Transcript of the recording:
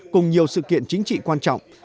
cùng nhiều sự kiện chính trị quan trọng